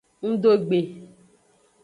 Ngdo gbe.